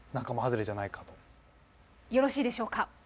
よろしいでしょうか？